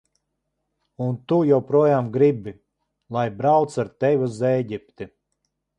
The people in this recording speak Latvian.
Un tu joprojām gribi, lai braucu ar tevi uz Ēģipti?